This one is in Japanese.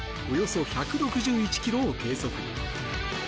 およそ１６１ｋｍを計測。